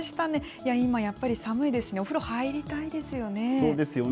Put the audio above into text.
いや、今、やっぱり寒いですし、お風呂入りたいですよね。